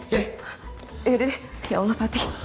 yaudah deh ya allah fatih